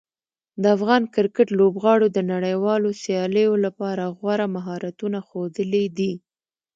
د افغان کرکټ لوبغاړو د نړیوالو سیالیو لپاره غوره مهارتونه ښودلي دي.